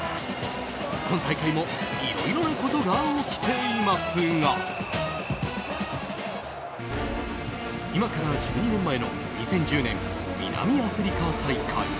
今大会もいろいろなことが起きていますが今から１２年前の２０１０年南アフリカ大会。